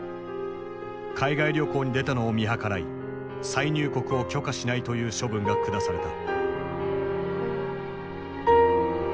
海外旅行に出たのを見計らい再入国を許可しないという処分が下された。